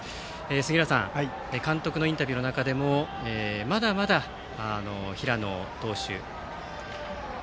杉浦さん監督のインタビューの中でもまだまだ平野投手